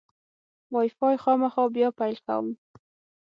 وای فای خامخا بیا پیل کوم.